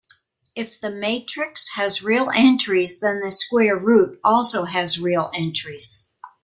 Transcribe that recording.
If the matrix has real entries, then the square root also has real entries.